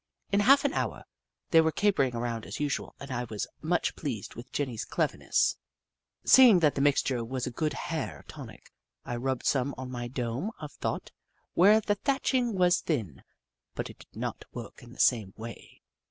In half an hour, they were capering around as usual, and I was much pleased with Jenny's cleverness. Seeing that the mixture was a good Hare tonic, I rubbed some on my dome of thought where the thatching was thin, but it did not work in the same way.